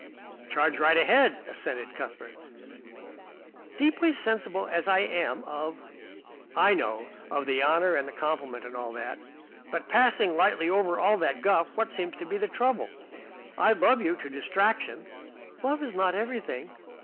"Charge right ahead," assented Cuthbert. "Deeply sensible as I am of " "I know. Of the honour and the compliment and all that. But, passing lightly over all that guff, what seems to be the trouble? I love you to distraction " "Love is not everything."